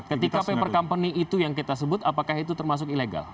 ketika paper company itu yang kita sebut apakah itu termasuk ilegal